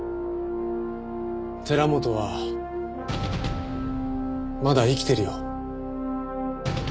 寺本はまだ生きてるよ。